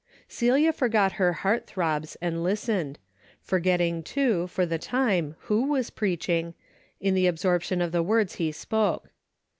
Celia forgot her heart throbs and listened, forgetting, too, for the time who was preach ing, in the absorption of the words he spoke.